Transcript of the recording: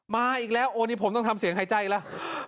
มาอีกแล้วโอ้นี่ผมต้องทำเสียงหายใจอีกแล้ว